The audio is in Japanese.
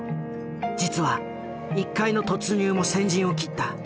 実は１階の突入も先陣を切った。